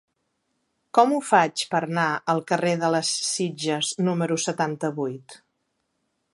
Com ho faig per anar al carrer de les Sitges número setanta-vuit?